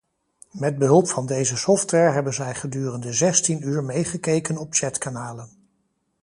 Met behulp van deze software hebben zij gedurende zestien uur meegekeken op chatkanalen.